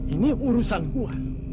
ini urusan gua